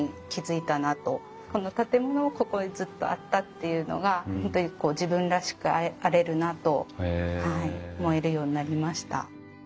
この建物がここにずっとあったっていうのが本当に自分らしくあれるなと思えるようになりました。